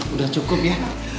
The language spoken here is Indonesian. udah cukup ya